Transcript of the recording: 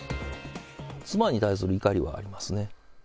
妻に対する怒りはありますね。